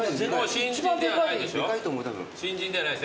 新人ではないですね。